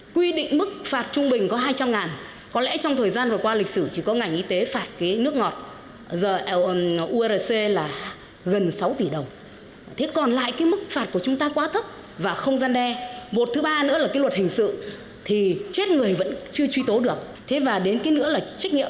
quy định mức phạt trung bình có hai trăm linh ngàn có lẽ trong thời gian vừa qua lịch sử chỉ có ngành y tế phạt nước ngọt giờ urc là gần sáu tỷ đồng thế còn lại cái mức phạt của chúng ta quá thấp và không gian đe một thứ ba nữa là cái luật hình sự thì chết người vẫn chưa truy tố được thế và đến cái nữa là trách nhiệm